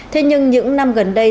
thế nhưng những năm gần đây